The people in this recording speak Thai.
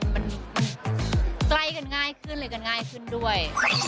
มันใกล้กันง่ายขึ้นเลยกันง่ายขึ้นด้วย